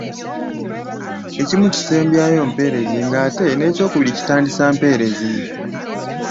Ekimu kisembyayo mpeerezi nga ate n’ekyokubiri kitandisa mpeerezi.